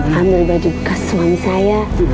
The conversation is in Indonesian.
ambil baju ke suami saya